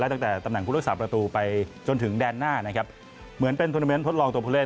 ตั้งแต่ตำแหน่งผู้รักษาประตูไปจนถึงแดนหน้านะครับเหมือนเป็นโทรนาเมนต์ทดลองตัวผู้เล่น